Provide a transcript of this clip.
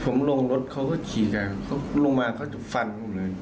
ผมลงรถเขาก็ขี่จากเขาลงมาเขาจะฟันผมเลย